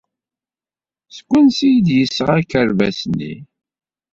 Seg wansi ay d-yesɣa akerbas-nni?